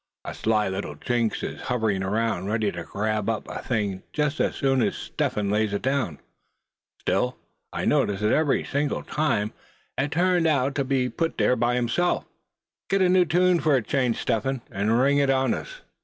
A sly little jinx is hoverin' around, ready to grab up a thing just as soon as Step lays it down. Still, I notice that every single time, it turns out he put it there himself. Get a new tune for a change, Step Hen, and ring it on us."